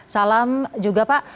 salam juga pak